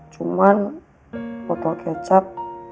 cuman botol kecap